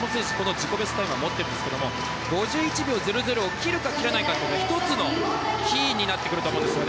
自己ベストを持っているんですが５１秒００を切るか切らないかというのが１つのキーになってくると思います。